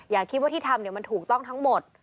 อย่าคิดว่าที่ทำมันถูกต้องทั้งหมด